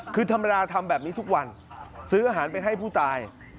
คือธรรมดาทำแบบนี้ทุกวันซื้ออาหารไปให้ผู้ตาย